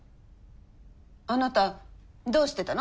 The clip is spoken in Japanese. あなたどうしてたの？